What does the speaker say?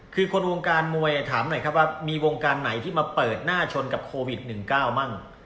คือคนวงการมวยถามหน่อยครับว่ามีวงการไหนที่มาเปิดหน้าชนกับโควิด๑๙บ้าง